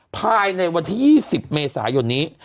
ภายในวันที่๒๐เมษายนนี้